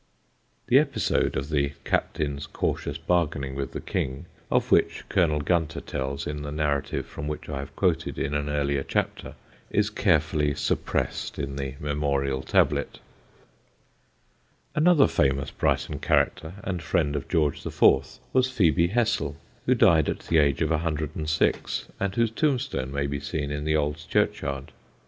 The episode of the captain's cautious bargaining with the King, of which Colonel Gunter tells in the narrative from which I have quoted in an earlier chapter, is carefully suppressed on the memorial tablet. [Sidenote: PHEBE HESSEL] Another famous Brighton character and friend of George IV. was Phebe Hessel, who died at the age of 106, and whose tombstone may be seen in the old churchyard.